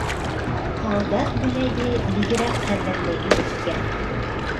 Һалдат бүләге бигерәк ҡәҙерле Иреккә.